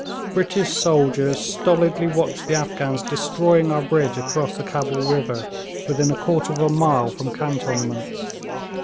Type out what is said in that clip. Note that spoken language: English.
British soldiers stolidly watched the Afghans destroying our bridge across the Cabul river, within a quarter of a mile from cantonments.